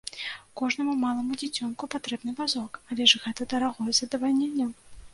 Кожнаму малому дзіцёнку патрэбны вазок, але ж гэта дарагое задавальненне.